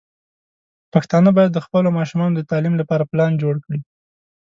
پښتانه بايد د خپلو ماشومانو د تعليم لپاره پلان جوړ کړي.